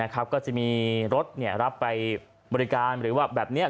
ก็จะมีรถรับไปบริการหรือว่าแบบนี้